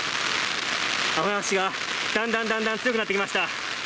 雨足がだんだんだんだん強くなってきました。